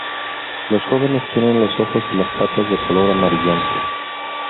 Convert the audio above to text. Los jóvenes tienen los ojos y las patas de color amarillento.